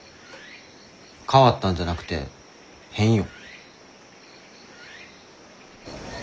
変わったんじゃなくて変よ。